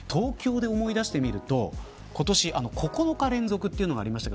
東京で思い出してみると今年９日連続というのがありました。